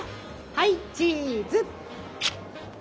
はいチーズ。